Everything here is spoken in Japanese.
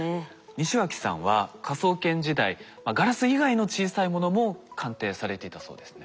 西脇さんは科捜研時代ガラス以外の小さいものも鑑定されていたそうですね。